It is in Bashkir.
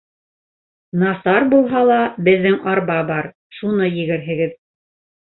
Насар булһа ла, беҙҙең арба бар, шуны егерһегеҙ.